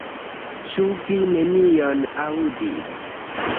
Ĉu vi nenion aŭdis?